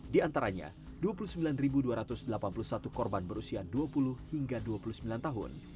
di antaranya dua puluh sembilan dua ratus delapan puluh satu korban berusia dua puluh hingga dua puluh sembilan tahun